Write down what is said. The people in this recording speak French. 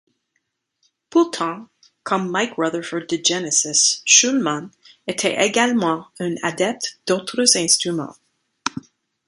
Pourtant, comme Mike Rutherford de Genesis, Shulman était également un adepte d'autres instruments.